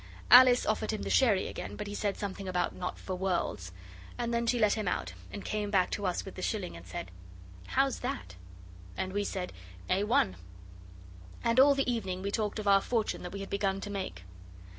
Alice offered him the sherry again, but he said something about 'Not for worlds!' and then she let him out and came back to us with the shilling, and said, 'How's that?' And we said 'A1.' And all the evening we talked of our fortune that we had begun to make.